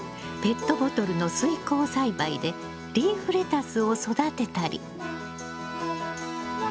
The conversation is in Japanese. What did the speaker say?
ペットボトルの水耕栽培でリーフレタスを育てたり。